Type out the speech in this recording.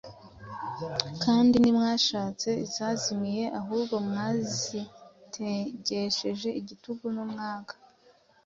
kandi ntimwashatse izazimiye; ahubwo mwazitegekesheje igitugu n’umwaga.